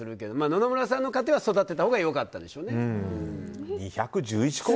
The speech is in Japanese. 野々村さんの家庭は育てたほうがよかったでしょうね。